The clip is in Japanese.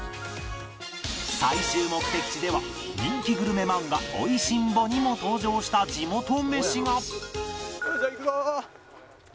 最終目的地では人気グルメ漫画『美味しんぼ』にも登場した地元メシが！